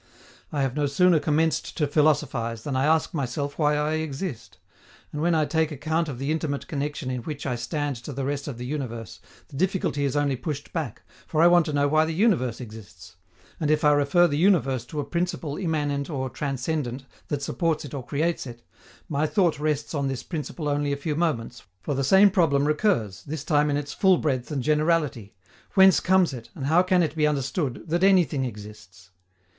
I have no sooner commenced to philosophize than I ask myself why I exist; and when I take account of the intimate connection in which I stand to the rest of the universe, the difficulty is only pushed back, for I want to know why the universe exists; and if I refer the universe to a Principle immanent or transcendent that supports it or creates it, my thought rests on this principle only a few moments, for the same problem recurs, this time in its full breadth and generality: Whence comes it, and how can it be understood, that anything exists?